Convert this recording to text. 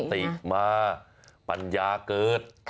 ติมาปัญญาเกิด